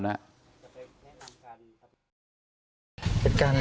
จะไปแนะนำการีครับ